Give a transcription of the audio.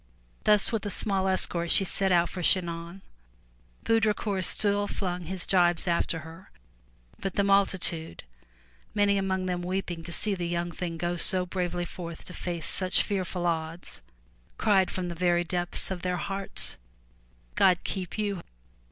Thus with a small escort she set out for Chinon. Baudricourt still flung his jibes after her, but the multi tude, many among them weeping to see the young thing go so bravely forth to face such fearful odds, cried from the very depths of their hearts, '*God keep you!